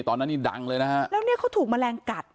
ตอนนั้นนี่ดังเลยนะฮะแล้วเนี่ยเขาถูกแมลงกัด